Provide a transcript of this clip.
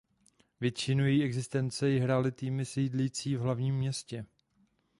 Většinu její existence ji hrály týmy sídlící v hlavním městě.